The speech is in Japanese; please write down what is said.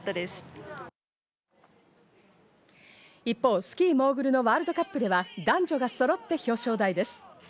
一方、スキー・モーグルのＷ杯では男女がそろって表彰台です。